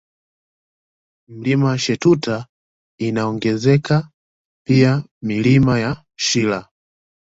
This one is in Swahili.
Mlima Shetuta inaongezeka pia Milima ya Shira